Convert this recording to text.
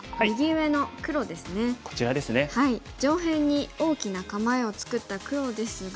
上辺に大きな構えを作った黒ですが。